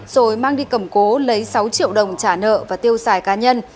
rồi mang đi cầm cố lấy sáu triệu đồng trả nợ và tiêu xài cá nhân